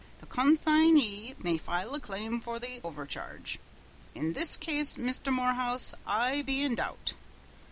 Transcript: The con sign ey may file a claim for the overcharge.' In this case, Misther Morehouse, I be in doubt.